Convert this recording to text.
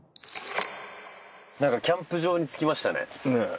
キャンプ場に着きましたね。